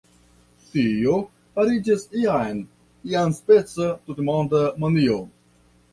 Tio fariĝis jam iaspeca tutmonda manio.